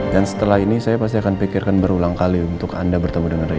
setelah ini saya pasti akan pikirkan berulang kali untuk anda bertemu dengan rakyat